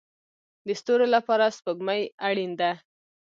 د ستورو لپاره سپوږمۍ اړین ده